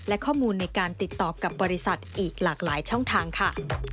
และข้อมูลในการติดต่อกับบริษัทอีกหลากหลายช่องทางค่ะ